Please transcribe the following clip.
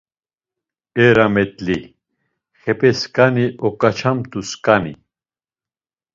E rametli, xepesǩani oǩaçamt̆u sǩani.